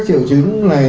các triệu chứng này